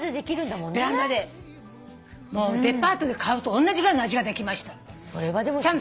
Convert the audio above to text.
もうデパートで買うのとおんなじぐらいの味ができましたと。